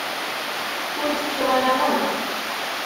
Ur k-ttuɣ ara akk.